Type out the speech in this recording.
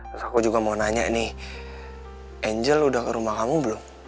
terus aku juga mau nanya nih angel udah ke rumah kamu belum